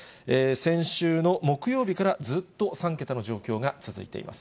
先週の木曜日からずっと３桁の状況が続いています。